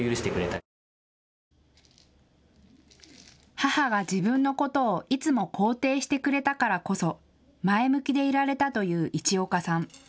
母が自分のことをいつも肯定してくれたからこそ前向きでいられたという市岡さん。